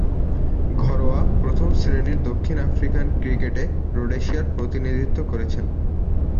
ঘরোয়া প্রথম-শ্রেণীর দক্ষিণ আফ্রিকান ক্রিকেটে রোডেশিয়ার প্রতিনিধিত্ব করেছেন।